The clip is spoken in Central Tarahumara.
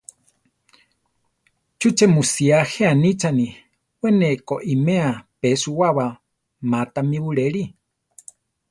¿Chúche mu sía je anichani: we ne koʼiméa peʼsuwaba ma tamí buléli?